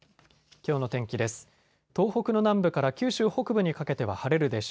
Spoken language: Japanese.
きょうの天気です。